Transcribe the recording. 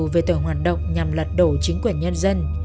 về tội hoạt động nhằm lật đổ chính quyền nhân dân